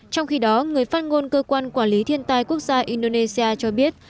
trong khi đó người phát ngôn cơ quan quản lý thiên tai quốc gia indonesia cho biết